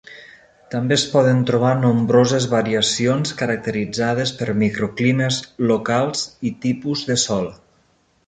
També es poden trobar nombroses variacions caracteritzades per microclimes locals i tipus de sòl.